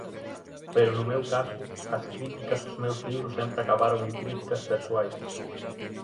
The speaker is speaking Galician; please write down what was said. Pero no meu caso, as críticas aos meus libros sempre acabaron en críticas persoais.